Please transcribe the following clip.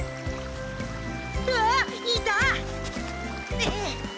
わっいた！